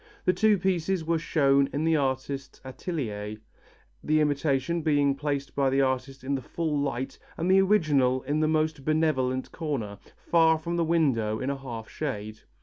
The two pieces were shown in the artist's atelier, the imitation being placed by the artist in the full light and the original in the most benevolent corner, far from the window in a half shade.